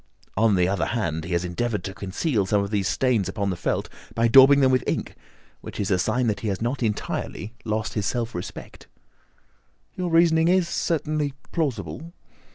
On the other hand, he has endeavoured to conceal some of these stains upon the felt by daubing them with ink, which is a sign that he has not entirely lost his self respect." "Your reasoning is certainly plausible."